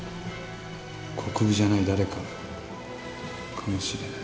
国府じゃない誰かかもしれない。